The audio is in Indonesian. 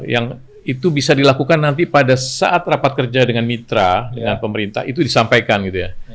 yang itu bisa dilakukan nanti pada saat rapat kerja dengan mitra dengan pemerintah itu disampaikan gitu ya